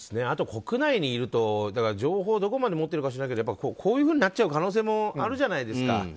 あと、国内にいると情報、どこまで持ってるか知らないけどこういうふうになっちゃう可能性もあるじゃないですか。